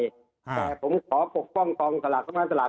แต่ผมขอปกป้องชาติกองสลัก